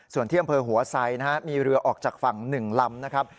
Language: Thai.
ส่วนที่อำเภอหัวไซนะฮะมีเรือออกจากฝั่ง๑ลำนะครับ